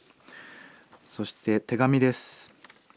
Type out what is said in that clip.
そして手紙です。